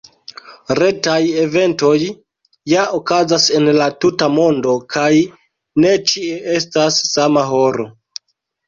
Retaj eventoj ja okazas en la tuta mondo kaj ne ĉie estas sama horo.